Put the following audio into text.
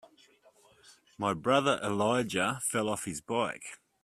My brother Elijah fell off his bike.